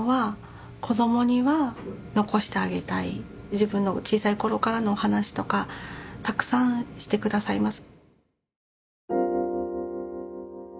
自分の小さいころからのお話とかたくさんしてくださいます。